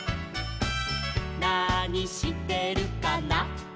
「なにしてるかな」